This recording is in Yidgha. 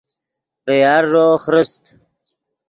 ڤے یارݱو خرست